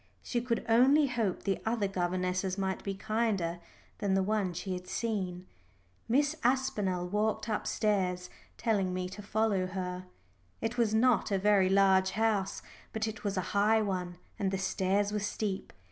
She could only hope the other governesses might be kinder than the one she had seen. Miss Aspinall walked upstairs, telling me to follow her. It was not a very large house, but it was a high one and the stairs were steep.